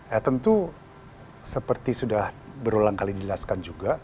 ya tentu seperti sudah berulang kali dijelaskan juga